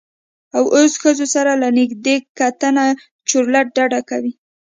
او اوس ښځو سره له نږدیکته چورلټ ډډه کوي.